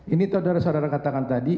ini saudara saudara katakan tadi